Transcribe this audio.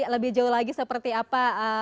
lebih jauh lagi seperti apa